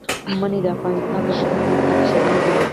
منی د افغانستان د پوهنې نصاب کې شامل دي.